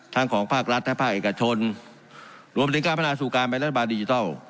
ทั้งของภาครัฐและภาคเอกชนหรือวิธีการพนาศูกรรมและรัฐบาลดิจิทัล